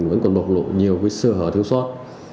vẫn còn bọc lộ nhiều cái sợ hở thiếu soát